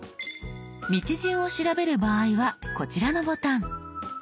道順を調べる場合はこちらのボタン。